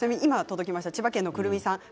千葉県の方です。